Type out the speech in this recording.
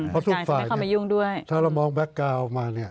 เพราะทุกฝ่ายถ้าเรามองแบ็คการ์ออกมา